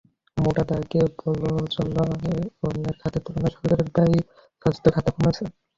মোটা দাগে বলা চলে, অন্য খাতের তুলনায় সরকারের ব্যয় স্বাস্থ্য খাতে কমছে।